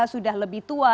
sudah lebih tua